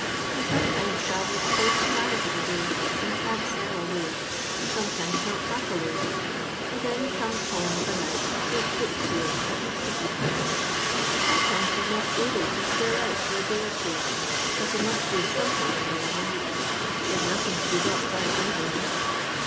He sometimea travels 80 miles of a day, and can't sell a load — eometunti not half a load ; and then he comes home ef a night so foot sore that you'd pity him. Some* times he 's not able to stir out, for a day or tws^ but he must do something for a living; there's nothing to be got by idleness.